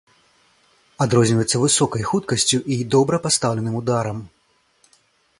Адрозніваецца высокай хуткасцю і добра пастаўленым ударам.